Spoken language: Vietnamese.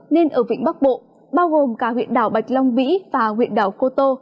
nên ở vịnh bắc bộ bao gồm cả huyện đảo bạch long vĩ và huyện đảo cô tô